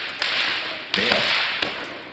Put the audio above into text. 沒有